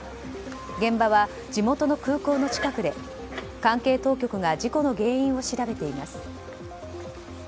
現場は地元の空港の近くで関係当局が事故の原因を調べています。